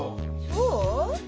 そう？